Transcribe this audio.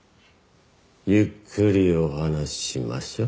ゆっくりお話しましょう。